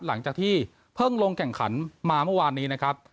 หลังจากที่เพิ่งลงแข่งขันมาเมื่อวานนี้นะครับ